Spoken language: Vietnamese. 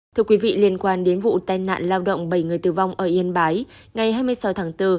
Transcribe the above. thưa quý vị liên quan đến vụ tai nạn lao động bảy người tử vong ở yên bái ngày hai mươi sáu tháng bốn